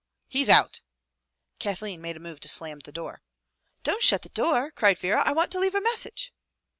"He's out!" Kathleen made a move to slam the door. " Don't shut the door," cried Vera. " I want to leave a message."